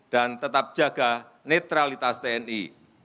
dan tetap jaga netralitas tni